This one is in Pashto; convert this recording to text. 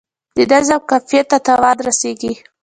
د نظم قافیې ته تاوان رسیږي.